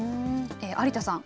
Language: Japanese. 有田さん